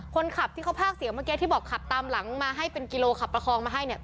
คนขับที่เขาพากเสียงเมื่อกี้ที่บอกขับตามหลังมาให้เป็นกิโลขับประคองมาให้เนี่ย